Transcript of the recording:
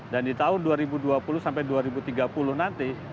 dan di tahun dua ribu dua puluh sampai dua ribu tiga puluh nanti